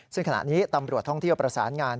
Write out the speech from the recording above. ซึ่งขณะนี้ตำรวจท่องเที่ยวประสานงาน